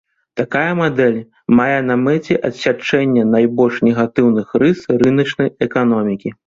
Такая мадэль мае на мэце адсячэнне найбольш негатыўных рыс рыначнай эканомікі.